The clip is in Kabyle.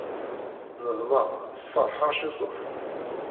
Neḍmeɛ sferḥ-aɣ ciṭuḥ.